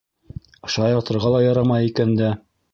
Шаяртырға ла ярамай икән дә...